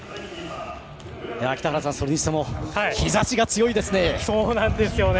北原さん、それにしても日ざしが強いですね。